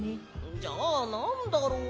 じゃあなんだろ？